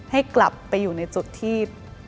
ให้กลับไปอยู่ในจุดที่